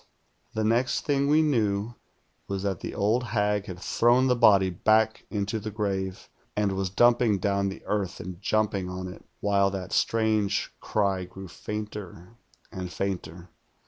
The next thing we knew was tliMt the old hag had thrown the body back into the grave, and was dumping down the earth and jumping on it, wliile that strange cry grew fainter and fainter.